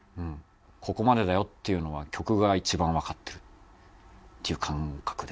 「ここまでだよ」っていうのは曲が一番わかってるっていう感覚ですね。